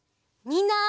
みんな！